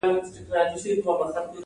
فلسفه له پوښتنې٬ پوښتنه وباسي.